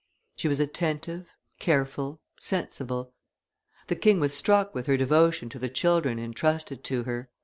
She was attentive, careful, sensible. The king was struck with her devotion to the children intrusted to her.